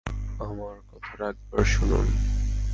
আমার কথাটা একবার শুনুন।